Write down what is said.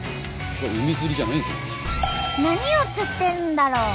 何を釣ってるんだろう？